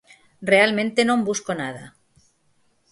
Realmente non busco nada.